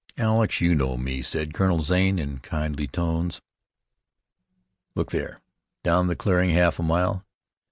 "Alex, you know me," said Colonel Zane in kindly tones. "Look there, down the clearing half a mile.